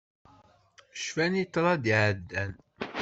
Cfan-d i ṭṭrad iɛeddan.